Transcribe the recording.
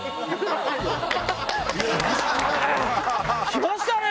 「来ましたね！」